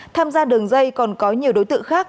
tham gia đường dây còn có nhiều đối tượng khác